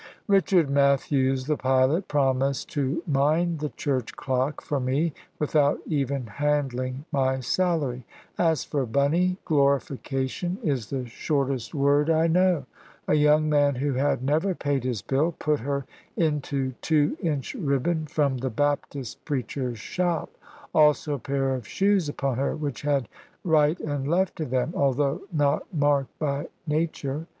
Richard Matthews, the pilot, promised to mind the church clock for me, without even handling my salary. As for Bunny, glorification is the shortest word I know. A young man, who had never paid his bill, put her into two inch ribbon from the Baptist preacher's shop. Also a pair of shoes upon her, which had right and left to them, although not marked by nature.